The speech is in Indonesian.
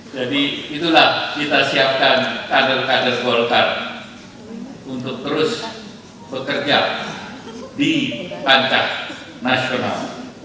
jadi itulah kita siapkan kader kader golkar untuk terus bekerja di pancak nasional